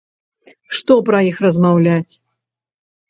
Што пра іх размаўляць?